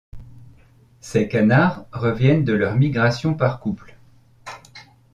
Ces canards reviennent de leur migration par couple.